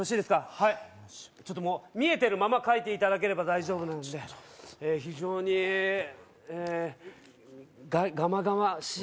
はいちょっともう見えてるまま描いていただければ大丈夫なんでちょっと非常にえがまがましい？